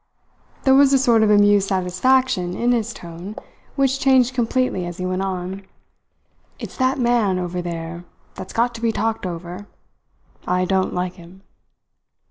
There was a sort of amused satisfaction in his tone which changed completely as he went on. "It's that man, over there, that's got to be talked over. I don't like him."